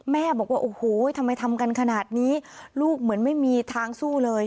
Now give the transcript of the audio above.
แม่บอกว่าโอ้โหทำไมทำกันขนาดนี้ลูกเหมือนไม่มีทางสู้เลย